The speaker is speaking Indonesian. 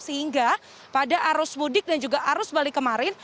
sehingga pada arus budi dan juga arus bali kemarin